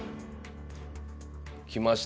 きましたね